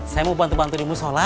saya mau bantu bantu di musola